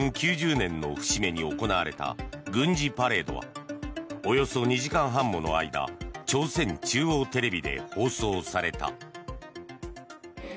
９０年の節目に行われた軍事パレードはおよそ２時間半もの間朝鮮中央テレビで放送された。